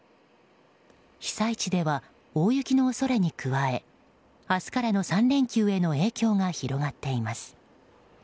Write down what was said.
被災地では大雪の恐れに加え明日からの３連休への影響が広がっています。